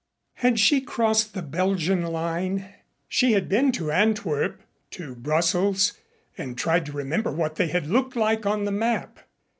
Had she crossed the Belgian line? She had been to Antwerp, to Brussels, and tried to remember what they had looked like on the map.